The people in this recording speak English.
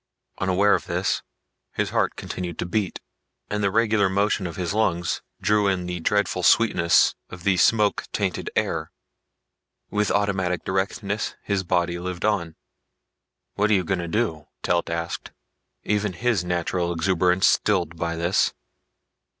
Unaware of this, his heart continued to beat and the regular motion of his lungs drew in the dreadful sweetness of the smoke tainted air. With automatic directness his body lived on. "What you gonna do?" Telt asked, even his natural exuberation stilled by this.